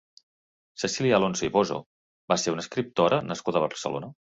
Cecília Alonso i Bozzo va ser una escriptora nascuda a Barcelona.